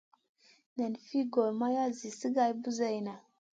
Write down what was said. Nan fi gor mara zi sigar buseyna.